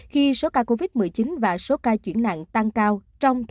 khi số ca covid một mươi chín tăng